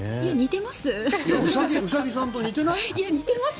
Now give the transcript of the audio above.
似てます？